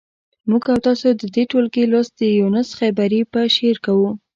موږ او تاسو د دې ټولګي لوست د یونس خیبري په شعر کوو.